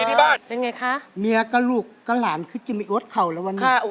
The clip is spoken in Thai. เป็นเพราะรักน่องพรณรงค์ของอาจารย์สดใส่ดา